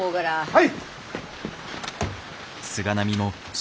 はい！